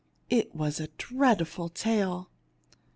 It w r as a dreadful tale."